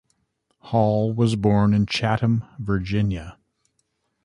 Hall was born in Chatham, Virginia.